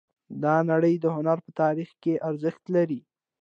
د نړۍ د هنر په تاریخ کې ارزښت لري